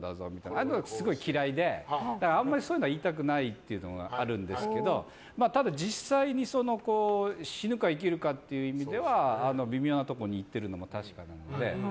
ああいうの、すごい嫌いであんまりそういうのは言いたくないというのがあるんですけどただ実際に死ぬか生きるかっていう意味では微妙なところに行ってるのは確かなので。